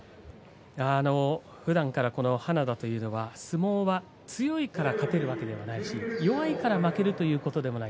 ふだんから花田というのは相撲は強いから勝てるわけではないし弱いから負けるということではない。